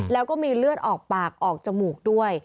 แล้วก็มีเลือดออกปากออกจมูกด้วย